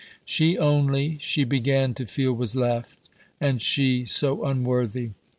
She only, she began to feel, was left; and she so unworthy!